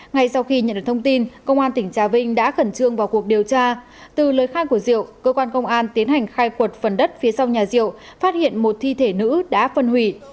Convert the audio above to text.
ngay sau khi nhận được thông tin công an tỉnh trà vinh đã khẩn trương vào cuộc điều tra từ lời khai của diệu cơ quan công an tiến hành khai quật phần đất phía sau nhà diệu phát hiện một thi thể nữ đã phân hủy